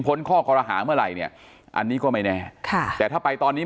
ข้อคอรหาเมื่อไหร่เนี่ยอันนี้ก็ไม่แน่ค่ะแต่ถ้าไปตอนนี้